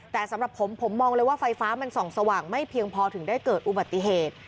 แต่สำหรับผมผมมองเลยว่าไฟฟ้ามันส่องสว่างไม่เพียงพอถึงได้เกิดอุบัติเหตุ